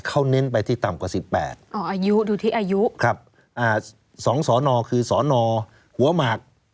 เขาเน้นไปที่ต่ำกว่า๑๘อายุดูที่อายุ๒สอนอคือสนหัวหมาก